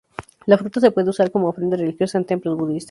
La fruta se puede usar como ofrenda religiosa en templos budistas.